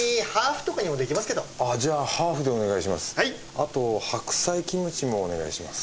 あと白菜キムチもお願いします。